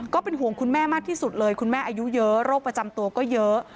ก็เป็นห่วงคุณแม่มากที่สุดเลยคุณแม่อายุเยอะโรคประจำตัวก็เยอะ